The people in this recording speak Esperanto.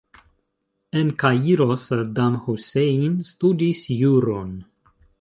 En Kairo Saddam Hussein studis juron.